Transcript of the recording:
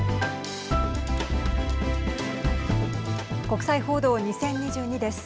国際報道２０２２です。